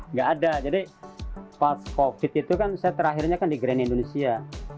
nggak ada jadi pas covid itu kan saya terakhirnya kan di grand indonesia